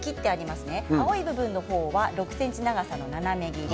青い部分を６ｃｍの長さの斜め切り。